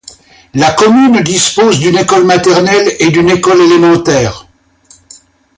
La commune dispose d'une école maternelle et d'une école élémentaire.